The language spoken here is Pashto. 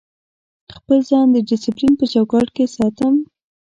خپل ځان د ډیسپلین په چوکاټ کې ساتم.